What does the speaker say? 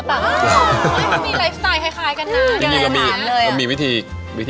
ก้าวเบื้องก้าว